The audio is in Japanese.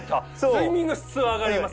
睡眠の質は上がります。